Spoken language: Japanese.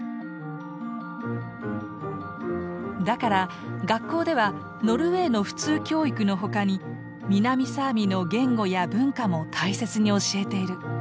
だから学校ではノルウェーの普通教育の他に南サーミの言語や文化も大切に教えてる。